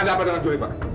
ada apa dengan julie pak